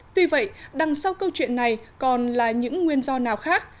tuy vậy đằng sau câu chuyện này còn là những nguyên do nào khác